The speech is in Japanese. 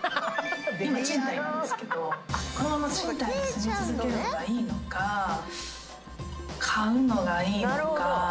今賃貸なんですけどこのまま賃貸に住み続ける方がいいのか買うのがいいのか。